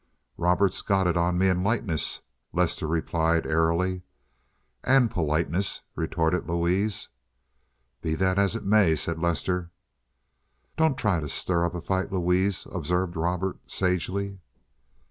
"Robert's got it on me in lightness," Lester replied, airily. "And politeness," retorted Louise. "Be that as it may," said Lester. "Don't try to stir up a fight, Louise," observed Robert, sagely.